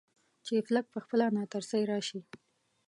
چې فلک پخپله ناترسۍ راشي.